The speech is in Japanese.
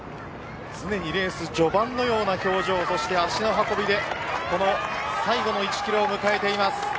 常にレース序盤のような表情と足の運びで最後の１キロを迎えています。